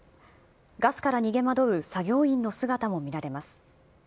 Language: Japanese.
ガスから逃げ惑う作業員の姿も見られます。